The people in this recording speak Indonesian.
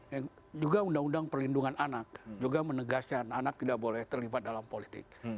yang juga undang undang perlindungan anak juga menegaskan anak tidak boleh terlibat dalam politik